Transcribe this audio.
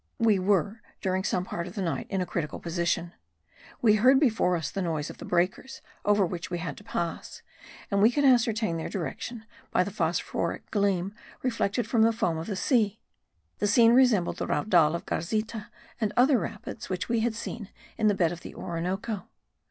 We were during some part of the night in a critical position; we heard before us the noise of the breakers over which we had to pass, and we could ascertain their direction by the phosphoric gleam reflected from the foam of the sea. The scene resembled the Raudal of Garzita and other rapids which we had seen in the bed of the Orinoco.